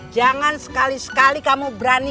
jangan sekali sekali kamu berani